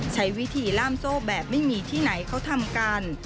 ใช้วิธีล่ามโซ่แบบไม่มีที่ไหนเขาทำกัน